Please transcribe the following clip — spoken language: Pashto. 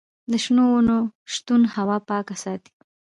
د شنو ونو شتون هوا پاکه ساتي.